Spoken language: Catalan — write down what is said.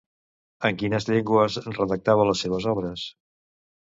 En quines llengües redactava les seves obres?